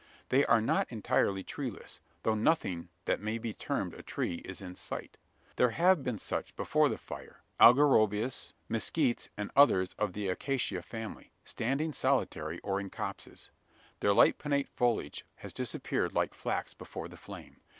They are not entirely treeless though nothing that may be termed a tree is in sight. There have been such, before the fire algarobias, mezquites, and others of the acacia family standing solitary, or in copses. Their light pinnate foliage has disappeared like flax before the flame.